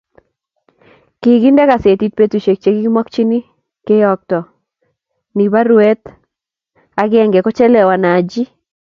Kikente kasetiii betushe che kimocheikeyookto ni bo arawet akenge kochelewan Haji